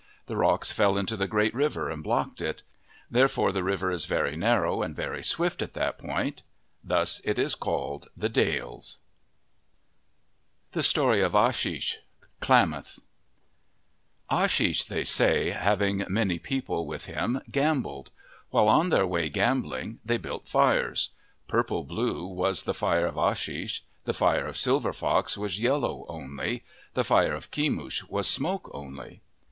The rocks fell into the Great River, and blocked it. Therefore the river is very narrow and very swift at that point. Thus it is called the Dalles. OF THE PACIFIC NORTHWEST THE STORY OF ASHISH Klamath A"IISH, they say, having many people with him, gambled. While on their way gam bling, they built fires. Purple blue was the fire of Ashish ; the fire of Silver Fox was yellow only ; the fire of Kemush was smoke only.